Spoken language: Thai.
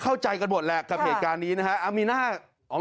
เข้าใจกันหมดแหละกับเหตุการณ์นี้นะฮะ